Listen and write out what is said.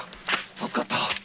助かった。